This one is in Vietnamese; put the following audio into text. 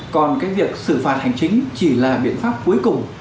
còn cái việc xử phạt hành chính chỉ là biện pháp cuối cùng